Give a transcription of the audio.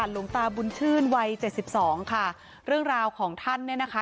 หลวงตาบุญชื่นวัยเจ็ดสิบสองค่ะเรื่องราวของท่านเนี่ยนะคะ